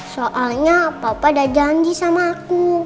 soalnya papa ada janji sama aku